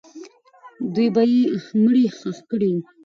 دوی به یې مړی ښخ کړی وو.